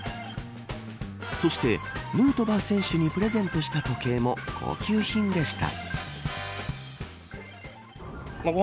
そして、ヌートバー選手にプレゼントした時計も高級品でした。